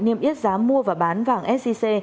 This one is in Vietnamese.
niêm yết giá mua và bán vàng sec